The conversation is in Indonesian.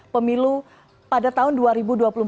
pemilu dan pelaksanaan pemilu